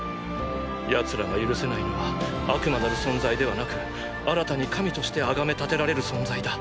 奴らが許せないのは悪魔なる存在ではなく新たに神として崇めたてられる存在だ。